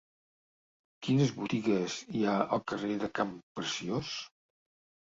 Quines botigues hi ha al carrer de Campreciós?